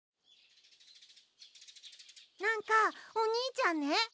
なんかお兄ちゃんね